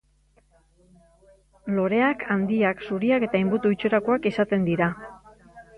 Loreak handiak, zuriak eta inbutu itxurakoak izaten dira.